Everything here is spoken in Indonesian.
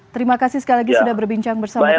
terima kasih sekali lagi sudah berbincang bersama kami